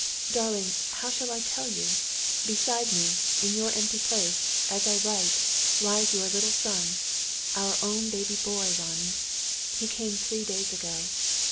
"Darling, how shall I tell you? Beside me, in your empty place, as I write, lies your little son our own baby boy, Ronnie! "He came three days ago.